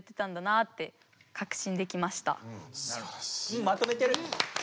うんまとめてる。